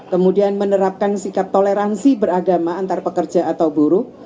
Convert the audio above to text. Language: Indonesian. kemudian menerapkan sikap toleransi beragama antar pekerja atau buruh